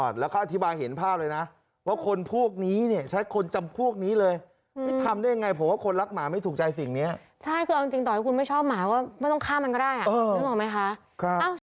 แต่ถ้านานไปน้องอาจจะปาดน้ำปาดอาหารอาจจะตายได้ประมาณนี้ครับ